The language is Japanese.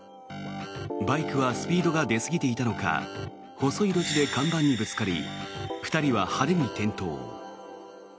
バイクはスピードが出すぎていたのか細い路地で看板にぶつかり２人は派手に転倒。